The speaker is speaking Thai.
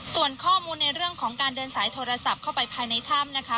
ส่วนข้อมูลในเรื่องของการเดินสายโทรศัพท์เข้าไปภายในถ้ำนะคะ